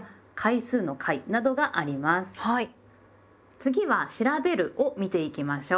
次は「『調』べる」を見ていきましょう。